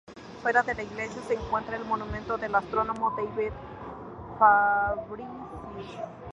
Fuera de la iglesia se encuentra el monumento del astrónomo David Fabricius.